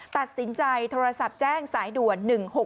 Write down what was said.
ตัดสินใจโทรศัพท์แจ้งสายด่วน๑๖๖